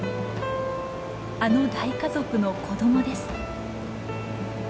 あの大家族の子どもです。